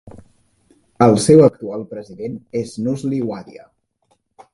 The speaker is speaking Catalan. El seu actual president és Nusli Wadia.